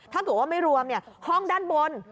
ถ้าเกิดว่าไม่รวมห้องด้านบน